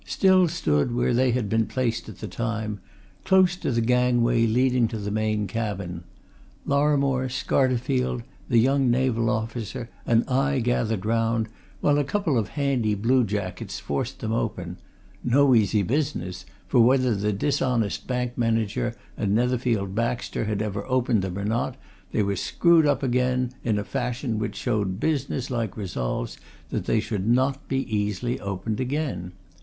still stood where they had been placed at the time; close to the gangway leading to the main cabin. Lorrimore, Scarterfield, the young naval officer and I gathered round while a couple of handy blue jackets forced them open no easy business, for whether the dishonest bank manager and Netherfield Baxter had ever opened them or not, they were screwed up again in a fashion which showed business like resolves that they should not easily be opened again.